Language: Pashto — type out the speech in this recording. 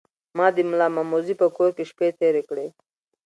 ما د ملامموزي په کور کې شپې تیرې کړې.